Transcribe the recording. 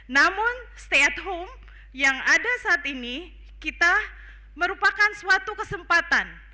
namun stay at home yang ada saat ini kita merupakan suatu kesempatan